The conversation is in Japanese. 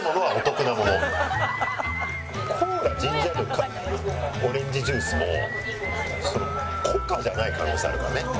コーラジンジャーエールオレンジジュースもコカじゃない可能性あるからね。